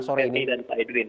terima kasih pak edwin